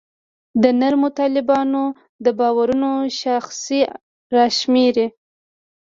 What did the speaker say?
د نرمو طالبانو د باورونو شاخصې راشماري.